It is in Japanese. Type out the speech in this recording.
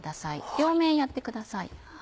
両面やってください。